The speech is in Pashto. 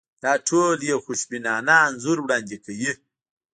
دا ټول یو خوشبینانه انځور وړاندې کوي.